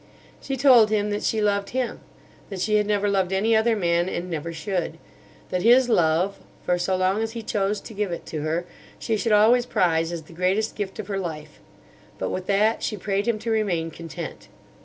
She told him that she loved him, that she had never loved any other man and never should; that his love, for so long as he chose to give it to her, she should always prize as the greatest gift of her life. But with that she prayed him to remain content.